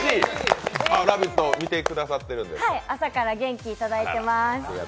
朝から元気いただいています。